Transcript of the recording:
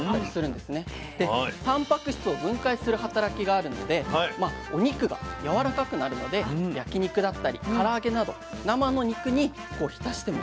でたんぱく質を分解する働きがあるのでお肉がやわらかくなるので焼き肉だったりから揚げなど生の肉にこう浸しても。